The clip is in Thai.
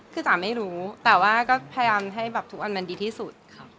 คือจ๋าไม่รู้แต่ว่าก็พยายามให้แบบทุกอันมันดีที่สุดค่ะ